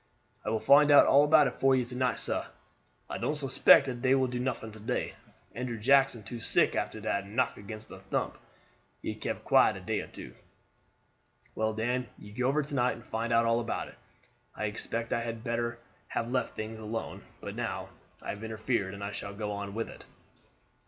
"I will find out all about it for you to night, sah. I don't suspect dat dey will do nuffin to day. Andrew Jackson too sick after dat knock against de tump. He keep quiet a day or two." "Well, Dan, you go over to night and find out all about it. I expect I had better have left things alone, but now I have interfered I shall go on with it."